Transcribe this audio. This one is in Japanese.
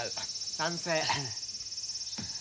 賛成。